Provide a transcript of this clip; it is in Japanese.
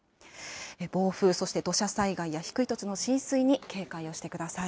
暴風、そして土砂災害や低い土地の浸水に警戒をしてください。